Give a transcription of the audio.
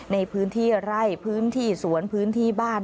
ในพื้นที่ไร่พื้นที่สวนพื้นที่บ้าน